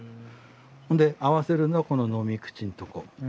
で合わせるのはこの飲み口のとこ。